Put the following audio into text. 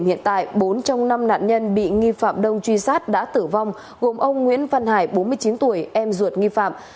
hiện tại bốn trong năm nạn nhân bị nghi phạm đông truy sát đã tử vong gồm ông nguyễn văn hải bốn mươi chín tuổi em ruột nghi phạm